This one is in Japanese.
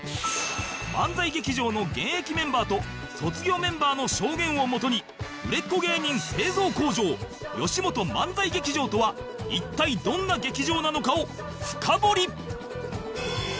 漫才劇場の現役メンバーと卒業メンバーの証言をもとに売れっ子芸人製造工場よしもと漫才劇場とは一体どんな劇場なのかを深掘り